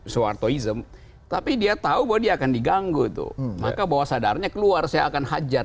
soehartoism tapi dia tahu bahwa dia akan diganggu tuh maka bahwa sadarnya keluar saya akan hajar